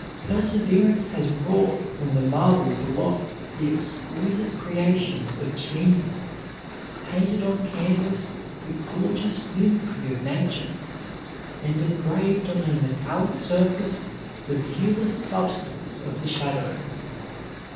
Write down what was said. Perseverance has wrought from the marble block the exquisite creations of genius, painted on canvas the gorgeous mimicry of nature, and engraved on a metallic surface the viewless substance of the shadow.